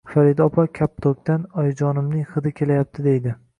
Farida opa, kaptokdan oyijonimning hidi kelayapti, deydi